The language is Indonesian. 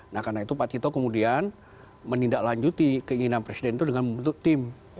nah karena itu pak tito kemudian menindaklanjuti keinginan presiden itu dengan membentuk tim